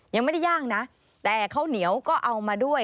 ยังไม่ได้ย่างนะแต่ข้าวเหนียวก็เอามาด้วย